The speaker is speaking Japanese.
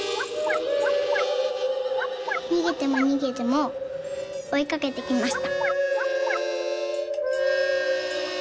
「にげてもにげてもおいかけてきました」。